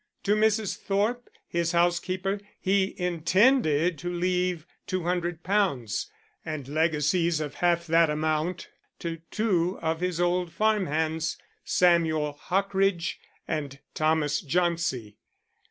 To Mrs. Thorpe, his housekeeper, he intended to leave £200, and legacies of half that amount to two of his old farm hands, Samuel Hockridge and Thomas Jauncey.